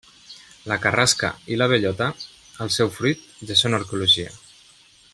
La carrasca, i la bellota, el seu fruit, ja són arqueologia.